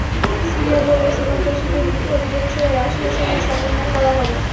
Syria বলেছে, সন্ত্রাসীদের বিরুদ্ধে অভিযানের সময় রাশিয়ার সঙ্গে সমন্বয় করা হবে।